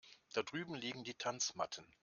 Da drüben liegen die Tanzmatten.